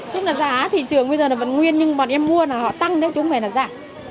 chúng là giá thị trường bây giờ là vẫn nguyên nhưng bọn em mua là họ tăng đấy chúng này là giảm